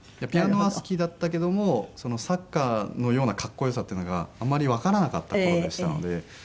ピアノは好きだったけどもサッカーのようなかっこよさっていうのがあんまりわからなかった頃でしたので。